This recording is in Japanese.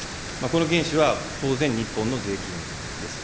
この原資は当然、日本の税金です。